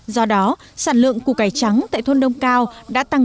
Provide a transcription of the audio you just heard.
do đó sản lượng củ cải trắng tại thôn đông cao và khoảng tám mươi hectare trồng củ cải trắng